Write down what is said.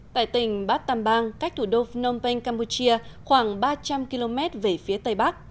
tại tỉnh bát tàm bang cách thủ đô phnom penh campuchia khoảng ba trăm linh km về phía tây bắc